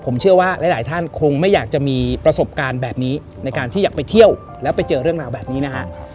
ผมเชื่อว่าหลายท่านคงไม่อยากจะมีประสบการณ์แบบนี้ในการที่อยากไปเที่ยวแล้วไปเจอเรื่องราวแบบนี้นะฮะ